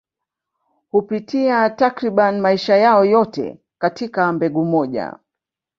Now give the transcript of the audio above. Hupitia takriban maisha yao yote katika mbegu moja.